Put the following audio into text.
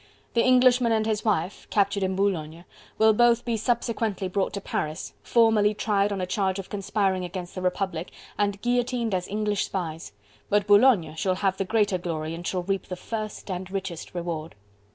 The Englishman and his wife captured in Boulogne will both be subsequently brought to Paris, formally tried on a charge of conspiring against the Republic and guillotined as English spies, but Boulogne shall have the greater glory and shall reap the first and richest reward.